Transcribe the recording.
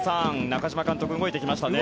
中嶋監督、動いてきましたね。